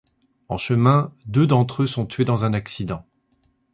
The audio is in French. En chemin, deux d'entre eux sont tués dans un accident.